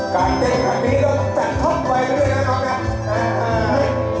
การเต้นแบบนี้เราจัดทับไปด้วยนะครับเนี่ย